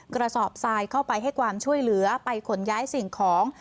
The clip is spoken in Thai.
กระสอบทรายเข้าไปให้ความช่วยเหลือไปขนย้ายสิ่งของ